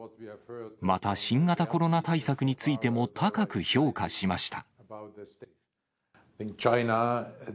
また、新型コロナ対策についても高く評価しました。